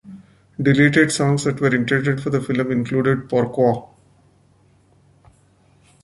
Deleted songs that were intended for the film included Pourquoi?